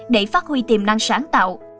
để phát huy tiềm năng sáng tạo